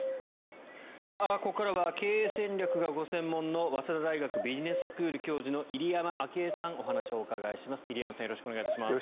ここからは経営戦略がご専門の早稲田大学ビジネススクール教授の入山章栄さんにお話をお伺いします。